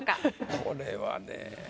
これはね。